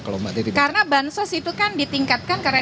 karena bansos itu kan ditingkatkan karena